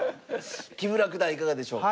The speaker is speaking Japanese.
木村九段いかがでしょうか。